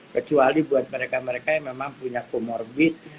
kecuali buat mereka mereka yang memang punya comorbid